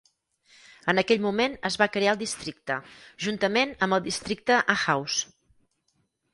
En aquell moment es va crear el districte, juntament amb el districte Ahaus.